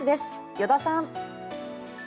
依田さん。